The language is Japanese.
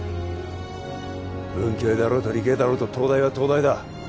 文系であろうと理系であろうと東大は東大だ